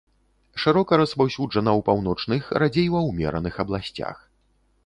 Шырока распаўсюджана ў паўночных, радзей ва ўмераных абласцях.